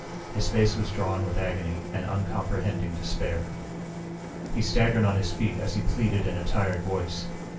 His face was drawn with agony and uncomprehending despair. He staggered on his feet as he pleaded in a tired voice.